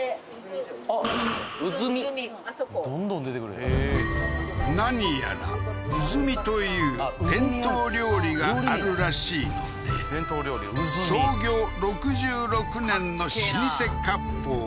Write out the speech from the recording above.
うずみあそこ何やらうずみという伝統料理があるらしいので創業６６年の老舗かっぽう